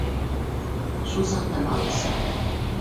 Шул саҡта балыҡсы: